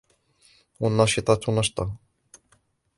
والناشطات نشطا